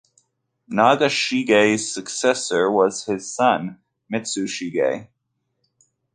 Nagashige's successor was his son, Mitsushige.